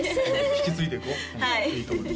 引き継いでいこういいと思います